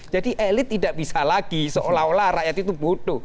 jadi elit tidak bisa lagi seolah olah rakyat itu bodoh